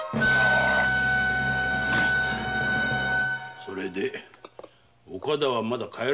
それで岡田はまだ帰らぬのか？